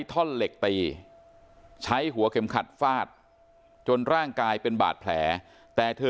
ท่อนเหล็กตีใช้หัวเข็มขัดฟาดจนร่างกายเป็นบาดแผลแต่เธอ